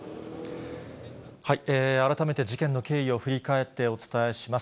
改めて事件の経緯を振り返ってお伝えします。